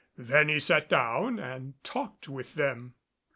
Then he sat down and talked with them.